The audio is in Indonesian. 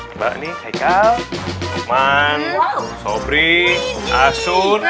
mbak nih heikal luqman sobri asun indra